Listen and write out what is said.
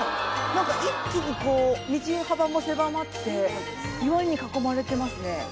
なんか一気にこう道幅も狭まって岩に囲まれてますね。